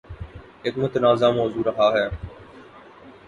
ایک متنازعہ موضوع رہا ہے